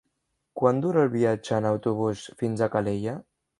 Quant dura el viatge en autobús fins a Calella?